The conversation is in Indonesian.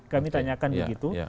kami tanyakan begitu